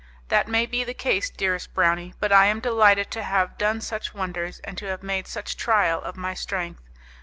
That may be the case, dearest browny, but I am delighted to have done such wonders, and to have made such trial of my strength.